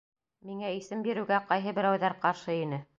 Миңә исем биреүгә ҡайһы берәүҙәр ҡаршы ине.